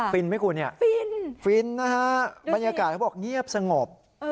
ไหมคุณเนี่ยฟินฟินนะฮะบรรยากาศเขาบอกเงียบสงบ